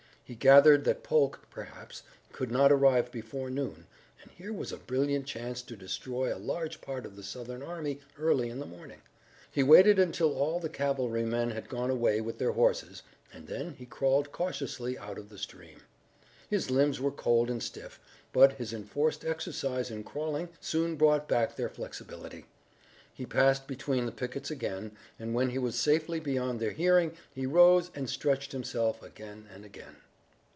He gathered that Polk, perhaps, could not arrive before noon, and here was a brilliant chance to destroy a large part of the Southern army early in the morning. He waited until all the cavalrymen had gone away with their horses, and then he crawled cautiously out of the stream. His limbs were cold and stiff, but his enforced exercise in crawling soon brought back their flexibility. He passed between the pickets again, and, when he was safely beyond their hearing, he rose and stretched himself again and again.